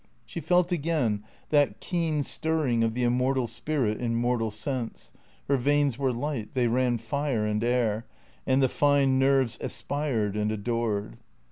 She felt again that keen stirring of the immortal spirit in mortal sense, her veins were light, they ran fire and air, and the fine nerves aspired and adored.